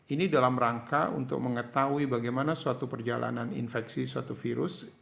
ini dalam rangka untuk mengetahui bagaimana suatu perjalanan infeksi suatu virus